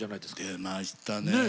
出ましたね。